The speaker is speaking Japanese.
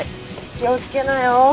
気を付けなよ。